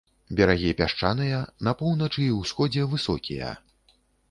Берагі пясчаныя, на поўначы і ўсходзе высокія.